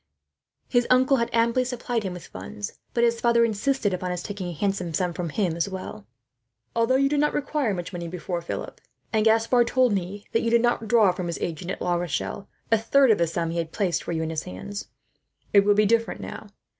His uncle had amply supplied him with funds, but his father insisted upon his taking a handsome sum from him. "Although you did not require much money before, Philip and Gaspard told me that you did not draw, from his agent at La Rochelle, a third of the sum he had placed for you in his hands it will be different now.